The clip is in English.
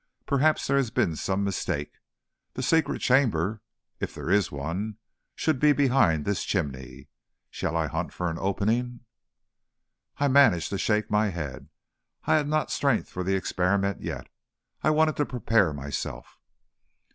"Perhaps there has been some mistake. The secret chamber, if there is one, should be behind this chimney. Shall I hunt for an opening?" I managed to shake my head. I had not strength for the experiment yet. I wanted to prepare myself.